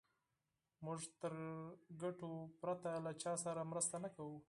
موږ تر ګټو پرته له چا سره مرسته نه کوو.